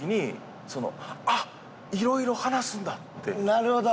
なるほど。